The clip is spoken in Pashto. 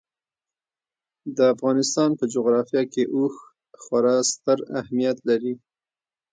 د افغانستان په جغرافیه کې اوښ خورا ستر اهمیت لري.